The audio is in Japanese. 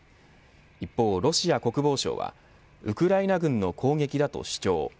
一方、ロシア国防省はウクライナ軍の攻撃だと主張。